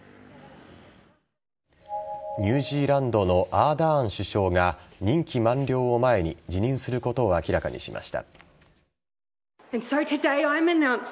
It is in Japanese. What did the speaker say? ニュージーランドのアーダーン首相が任期満了を前に辞任することを明らかにしました。